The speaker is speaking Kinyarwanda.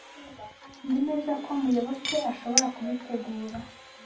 Nzi neza ko Muyoboke ashobora kubitegura.